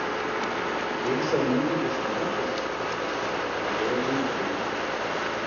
Eles são muito impressionantes? eu vou admitir.